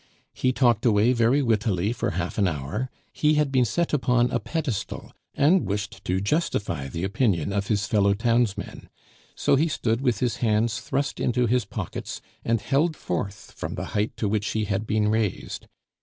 He talked away very wittily for half an hour; he had been set upon a pedestal, and wished to justify the opinion of his fellow townsmen; so he stood with his hands thrust into his pockets, and held forth from the height to which he had been raised.